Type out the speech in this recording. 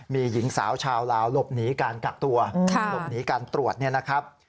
มีหญิงสาวชาวลาวหลบหนีการกักตัวหลบหนีการตรวจเนี่ยนะครับ